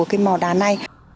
cái màu đá này